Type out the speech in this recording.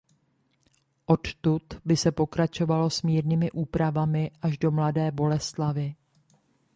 Odtud by se pokračovalo s mírnými úpravami až do Mladé Boleslavi.